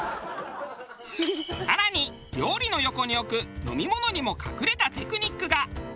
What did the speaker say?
更に料理の横に置く飲み物にも隠れたテクニックが。